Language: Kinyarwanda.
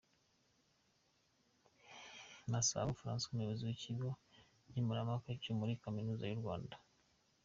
Masabo Francois, Umuyobozi w’Ikigo nkemurampaka cyo muri Kaminuza y’u Rwanda, Dr.